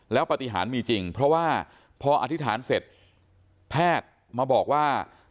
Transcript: แล้วปฏิหารมีจริงเพราะว่าพออธิษฐานเสร็จแพทย์มาบอกว่า